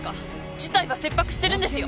事態は切迫してるんですよ